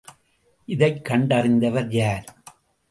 இதைக் கண்டறிந்தவர் யார்?